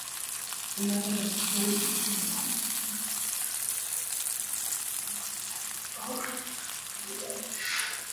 Ibada za kifungu zaidi zinahitajika kabla ya kufikia hadhi ya mpiganaji mwandamizi